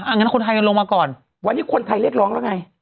งั้นคนไทยกันลงมาก่อนวันนี้คนไทยเรียกร้องแล้วไง